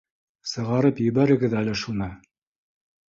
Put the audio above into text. — Сығарып ебәрегеҙ әле шуны